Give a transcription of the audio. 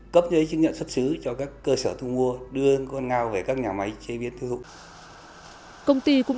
công ty cũng đã ký hợp đồng liên kết sản xuất thu mua ngao từ các vùng nguyên liệu trong tỉnh